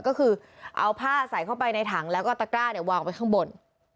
ก็คือเอาผ้าใส่เข้าไปในถังแล้วก็ตะกร้าเนี่ยวางไว้ข้างบน